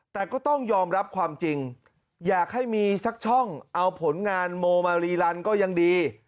แต่ก็ต้องยอมรับความจริงอยากให้มีสักช่องเอาผลงานโมมารีลันก็ยังดี